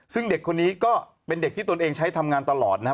ซึ่งเด็กคนนี้ก็เป็นเด็กที่ตนเองใช้ทำงานตลอดนะครับ